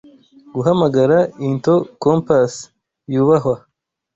guhamagara Into kompas yubahwa